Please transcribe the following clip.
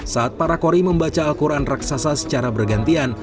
saat para kori membaca al quran raksasa secara bergantian